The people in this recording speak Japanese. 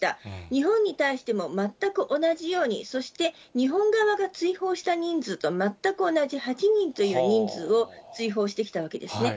日本に対しても全く同じように、そして日本側が追放した人数と全く同じ８人という人数を追放してきたわけですね。